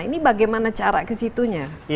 ini bagaimana cara ke situ nya